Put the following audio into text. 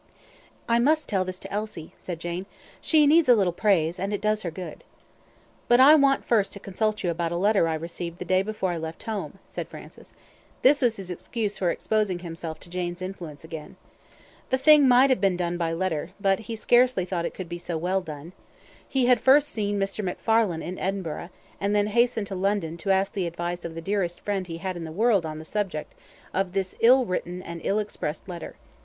"I must tell this to Elsie," said Jane; "she needs a little praise, and it does her good." "But I want first to consult you about a letter I received the day before I left home," said Francis. This was his excuse for exposing himself to Jane's influence again. The thing might have been done by letter, but he scarcely though it could be so well done; so he had first seen Mr. McFarlane in Edinburgh, and then hastened to London to ask the advice of the dearest friend he had in the world on the subject of this ill written and ill expressed letter.